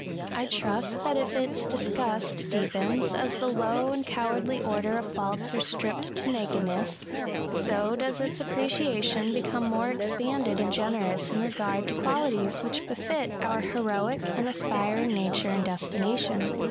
I trust that if its disgust deepens as the low and cowardly order of faults are stripped SOME PERILS AND PAINS OF INVALIDISM. 187 to nakedness, so does its appreciation become more expanded and generous in regard to qualities which befit our heroic and aspiring nature and destination.